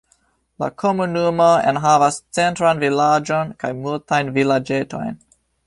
La komunumo enhavas centran vilaĝon kaj multajn vilaĝetojn.